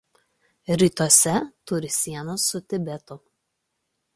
Rytuose turi sieną su Tibetu.